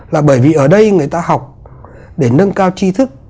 là bởi vì ở đây người ta học để nâng cao chi thức